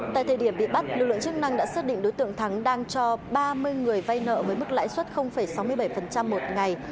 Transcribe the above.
tại thời điểm bị bắt lực lượng chức năng đã xác định đối tượng thắng đang cho ba mươi người vay nợ với mức lãi suất sáu mươi bảy một ngày